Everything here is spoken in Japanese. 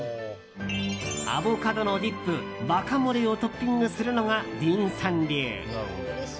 アボカドのディップワカモレをトッピングするのがディーンさん流。